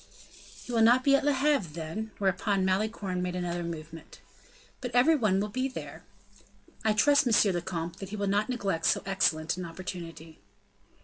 "He will not be at Le Havre, then?" Whereupon Malicorne made another movement. "But every one will be there." "I trust, monsieur le comte, that he will not neglect so excellent an opportunity."